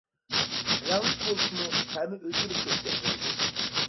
رەڭلىك بولسىمۇ، تەمى ئۆزگىرىپ كەتكەن بولىدۇ.